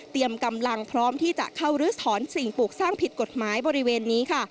กำลังพร้อมที่จะเข้าลื้อถอนสิ่งปลูกสร้างผิดกฎหมายบริเวณนี้ค่ะ